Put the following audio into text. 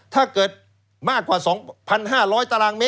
ถ้าเกิดมากกว่า๒๕๐๐ตรม